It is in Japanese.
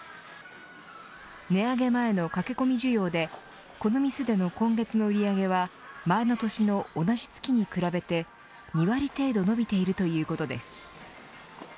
値上げ前の駆け込み需要でこの店での今月の売り上げは前の年の同じ月に比べて２割程度伸びているということです。